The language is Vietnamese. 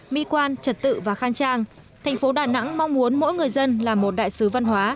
mỹ quan trật tự và khang trang thành phố đà nẵng mong muốn mỗi người dân là một đại sứ văn hóa